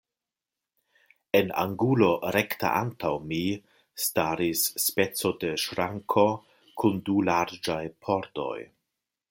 En angulo rekte antaŭ mi staris speco de ŝranko kun du larĝaj pordoj.